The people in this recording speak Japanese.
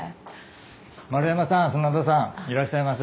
丸山さん砂田さんいらっしゃいませ。